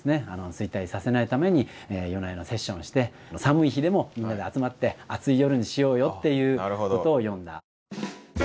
衰退させないために夜な夜なセッションをして寒い日でもみんなで集まって熱い夜にしようよっていうことを詠んだ。